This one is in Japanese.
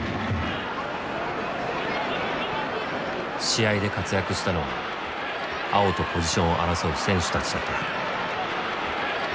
試合で活躍したのは碧とポジションを争う選手たちだった。